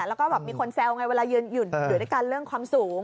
แล้วก็แบบมีคนแซวไงเวลายืนอยู่ด้วยกันเรื่องความสูง